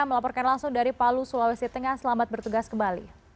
melaporkan langsung dari palu sulawesi tengah selamat bertugas kembali